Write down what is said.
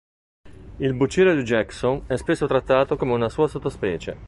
Il bucero di Jackson è spesso trattato come una sua sottospecie.